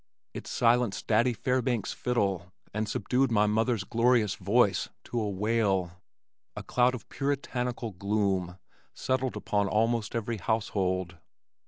It silenced Daddy Fairbanks' fiddle and subdued my mother's glorious voice to a wail. A cloud of puritanical gloom settled upon almost every household.